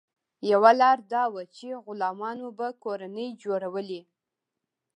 یوه لار دا وه چې غلامانو به کورنۍ جوړولې.